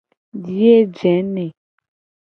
Biye je ne.